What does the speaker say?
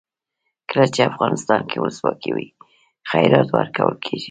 کله چې افغانستان کې ولسواکي وي خیرات ورکول کیږي.